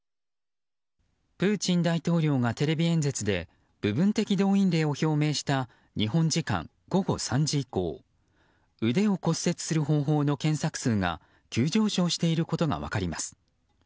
プーチン大統領がテレビ演説で部分的動員令を表明した日本時間午後３時以降腕を骨折する方法の検索数が急上昇していることが分かります。